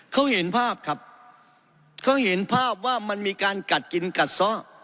เขาเห็นภาพครับเขาเห็นภาพว่ามันมีการกัดกินกัดซ่อ